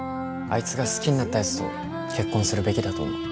あいつが好きになったやつと結婚するべきだと思う。